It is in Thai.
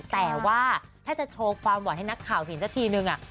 แต่ว่าถ้าจะโชว์ความหวานให้นักข่าวเห็นสักทีนึง